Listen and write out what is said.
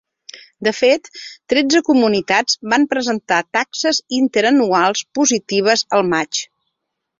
De fet, tretze comunitats van presentar taxes interanuals positives al maig.